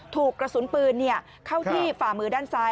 ถูกกระสุนปืนเข้าที่ฝ่ามือด้านซ้าย